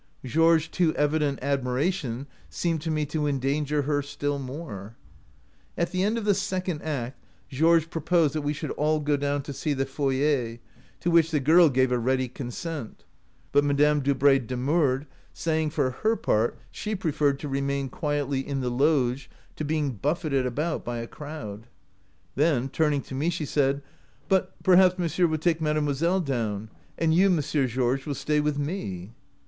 Georges' too evident admira tion seemed to me to endanger her still more. "At the end of the second act Georges proposed that we should all go down to see the ' foyer,' to which the girl gave a ready consent; but Madame Dubray demurred, saying, for her part, she preferred to remain quietly in the loge to being buffeted about by a crowd ; then, turning to me, she said, ' But perhaps monsieur will take mademoi selle down, and you, M. Georges, will stay with me